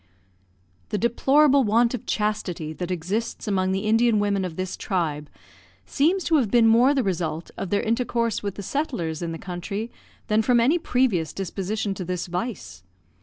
The deplorable want of chastity that exists among the Indian women of this tribe seems to have been more the result of their intercourse with the settlers in the country than from any previous disposition to this vice.